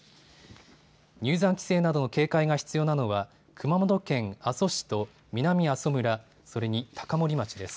入山規制などの警戒が必要なのは熊本県阿蘇市と南阿蘇村、それに高森町です。